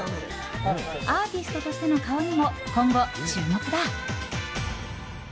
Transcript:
アーティストとしての顔にも今後、注目だ。